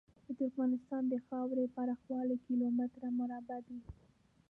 د ترکمنستان د خاورې پراخوالی کیلو متره مربع دی.